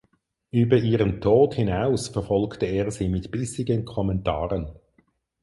Über ihren Tod hinaus verfolgte er sie mit bissigen Kommentaren.